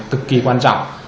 thực kỳ quan trọng